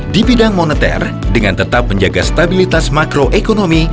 di bidang moneter dengan tetap menjaga stabilitas makroekonomi